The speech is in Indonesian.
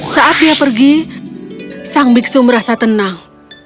saat dia pergi sang biksu merasa tenang